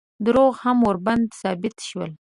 دروغ هم ورباندې ثابت شول.